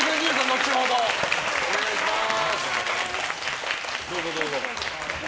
後ほどお願いします。